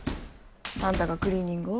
あんたがクリーニングを？